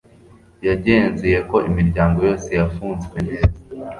Yagenzuye ko imiryango yose yafunzwe neza